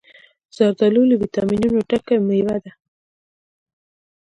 زردالو له ویټامینونو ډکه مېوه ده.